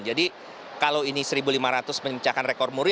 jadi kalau ini seribu lima ratus memecahkan rekor muri